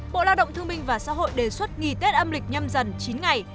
bộ lao động thương minh và xã hội đề xuất nghỉ tết âm lịch nhâm dần chín ngày